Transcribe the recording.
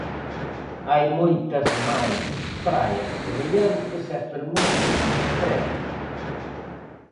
Hai moitas máis praias semellantes e fermosas preto.